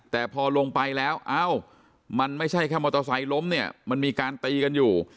แต่พอลงไปแล้วเอ้ามันไม่ใช่แค่มอเตอร์ไซค์ล้มเนี่ยมันมีการตีกันอยู่